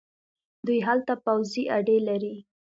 دوی هلته پوځي اډې لري.